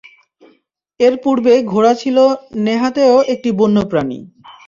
এর পূর্বে ঘোড়া ছিল নেহায়েতই একটি বন্য প্রাণী।